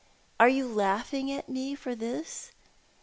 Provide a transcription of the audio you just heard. Are you laughing at me for this?